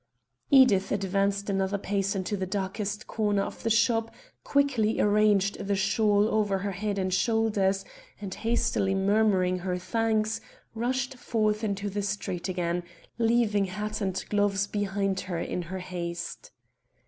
Edith advanced another pace into the darkest corner of the shop, quickly arranged the shawl over her head and shoulders, and, hastily murmuring her thanks, rushed forth into the street again, leaving hat and gloves behind in her haste.